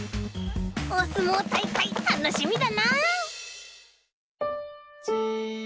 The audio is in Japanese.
おすもうたいかいたのしみだな！